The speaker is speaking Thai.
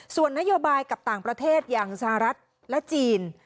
ส่วนนโยบายกับต่างประเทศอย่างสหรัฐและจีน